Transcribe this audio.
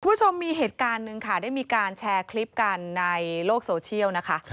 คุณผู้ชมมีเหตุการณ์หนึ่งค่ะได้มีการแชร์คลิปกันในโลกโซเชียลนะคะ